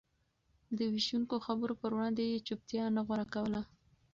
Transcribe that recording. د وېشونکو خبرو پر وړاندې يې چوپتيا نه غوره کوله.